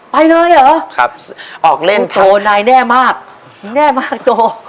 ไปเลยเหรอพี่โตนายแน่มากแน่มากโต